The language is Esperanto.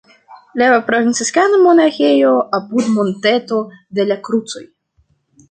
La franciskana monaĥejo apud Monteto de la Krucoj.